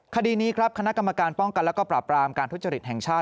คดีนี้ครับคณะกรรมการป้องกันและปราบรามการทุจริตแห่งชาติ